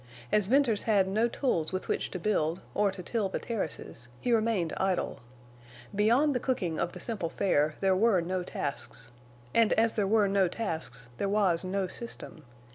As Venters had no tools with which to build, or to till the terraces, he remained idle. Beyond the cooking of the simple fare there were no tasks. And as there were no tasks, there was no system.